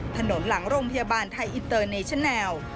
หลังโรงพยาบาลไทยอินเตอร์เนชแนล